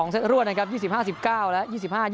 เซตรวดนะครับ๒๕๑๙และ๒๕๒